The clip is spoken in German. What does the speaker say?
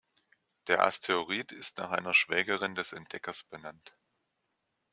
Der Asteroid ist nach einer Schwägerin des Entdeckers benannt.